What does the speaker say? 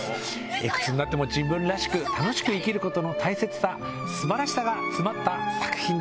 いくつになっても自分らしく楽しく生きることの大切さ素晴らしさが詰まった作品です。